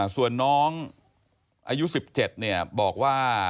ส่วนน้องอายุ๑๗บอกว่า